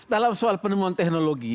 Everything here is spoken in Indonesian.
dalam soal penemuan teknologi